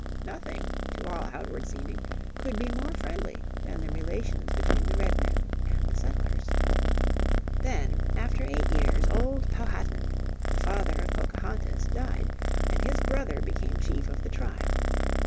Nothing, to all outward seeming, could be more friendly than the relations between the Redmen and the settlers. Then after eight years, old Powhatan, the father of Pocahontas, died, and his brother became chief of the tribe.